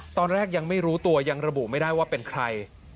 ตอนแรกยังไม่รู้ตัวยังระบุไม่ได้ว่าเป็นใคร